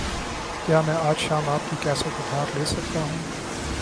کیا میں آج شام آپکی کیسٹ ادھار لے سکتا ہوں؟